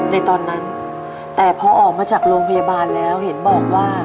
ในตอนนั้นแต่พอออกมาจากโรงพยาบาลแล้วเห็นบอกว่า